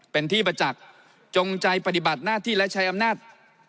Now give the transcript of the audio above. เป็นที่ประจักษ์จงใจปฏิบัติหน้าที่และใช้อำนาจ